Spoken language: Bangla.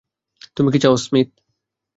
তুমি কী চাও, স্মিথ?